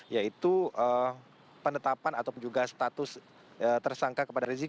yaitu penetapan atau juga status tersangka kepada rizik